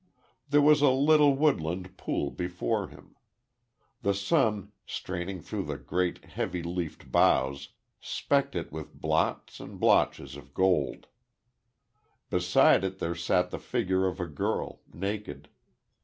There was a little woodland pool before him. The sun, straining through the great, heavy leafed boughs, specked it with blots and blotches of gold. Beside it there sat the figure of a girl, naked.